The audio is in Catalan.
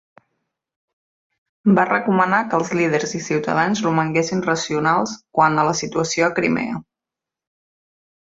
Va recomanar que els líders i ciutadans romanguessin racionals quant a la situació a Crimea.